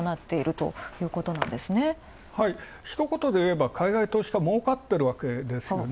はい、ひとことでいえば海外投資家、儲かってるわけですよね。